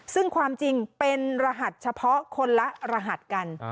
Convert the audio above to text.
ซึ่งความจริงเป็นรหัสเฉพาะคนละรหัสกัน